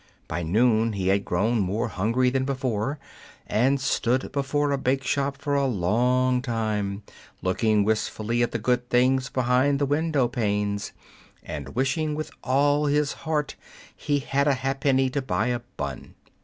By noon he had grown more hungry than before, and stood before a bake shop for a long time, looking wistfully at the good things behind the window panes, and wishing with all his heart he had a ha'penny to buy a bun.